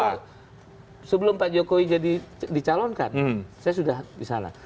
pak jokowi sebelum pak jokowi jadi dicalon kan saya sudah di sana